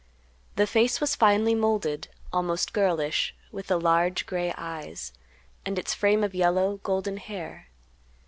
The face was finely molded, almost girlish, with the large gray eyes, and its frame of yellow, golden hair.